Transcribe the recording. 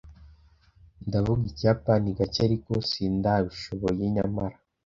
Ndavuga Ikiyapani gake, ariko sindabishoboye, nyamara.